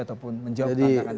ataupun menjawab pertanyaan ini